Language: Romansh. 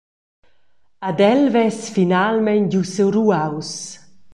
Ed el vess finalmein giu siu ruaus.